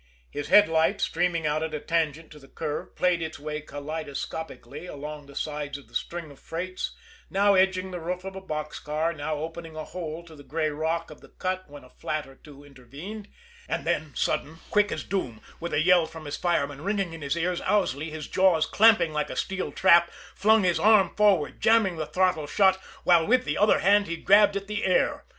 His headlight, streaming out at a tangent to the curve, played its ray kaleidoscopically along the sides of the string of freights, now edging the roof of a box car, now opening a hole to the gray rock of the cut when a flat or two intervened and then, sudden, quick as doom, with a yell from his fireman ringing in his ears, Owsley, his jaws clamping like a steel trap, flung his arm forward, jamming the throttle shut, while with the other hand he grabbed at the "air."